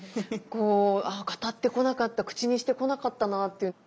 こう語ってこなかった口にしてこなかったなあって。